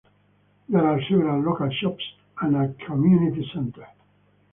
There are several local shops and a community centre.